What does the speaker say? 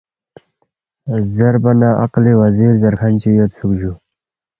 زیربا نہ عقلی وزیر زیرکھن چی یودسُوک جُو